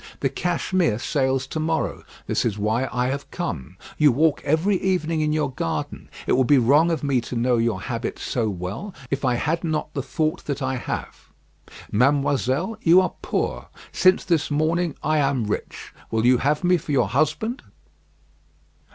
The Cashmere sails to morrow. This is why I have come. You walk every evening in your garden. It would be wrong of me to know your habits so well, if I had not the thought that I have. Mademoiselle, you are poor; since this morning I am rich. Will you have me for your husband?"